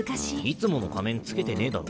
いつもの仮面着けてねえだろ。